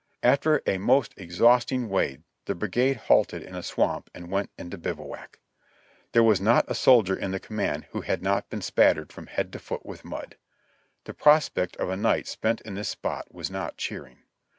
After a most exhausting wade the brigade halted in a swamp and went into bivouac. There was not a soldier in the command who had not been spattered from head to foot with mud. The prospect of a night spent in this spot w^as not cheering.